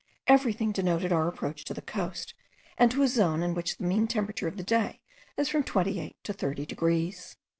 Everything denoted our approach to the coast, and to a zone in which the mean temperature of the day is from 28 to 30 degrees.